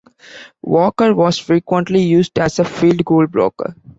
Walker was frequently used as a field goal blocker.